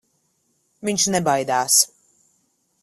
Viņš nebaidās.